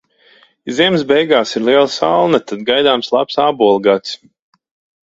Ja ziemas beigās ir liela salna, tad gaidāms labs ābolu gads.